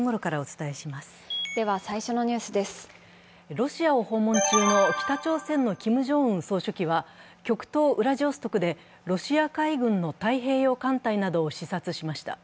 ロシアを訪問中の北朝鮮のキム・ジョンウン総書記は極東ウラジオストクでロシア海軍の太平洋艦隊などを視察しました。